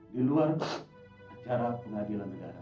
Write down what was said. di luar acara pengadilan negara